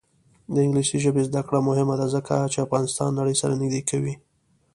د انګلیسي ژبې زده کړه مهمه ده ځکه چې افغانستان نړۍ سره نږدې کوي.